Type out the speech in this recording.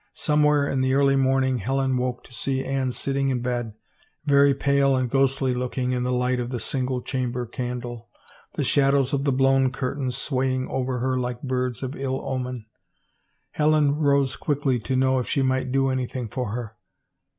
Somewhere in the early morning Helen woke to see Anne sitting in bed, very pale 377 « THE FAVOR OF KINGS and ghostly looking in the light of the single chamber candle, the shadows of the blown curtains swaying over her like birds of ill omen. Helen rose quickly to know if she might do anything for her.